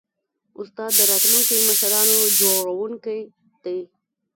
استاد د راتلونکو مشرانو جوړوونکی دی.